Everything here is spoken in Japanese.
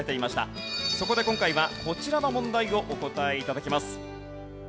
そこで今回はこちらの問題をお答え頂きます。